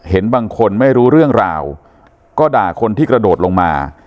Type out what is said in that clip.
เห็นบางคนไม่รู้เรื่องราวก็ด่าคนที่กระโดดลงมา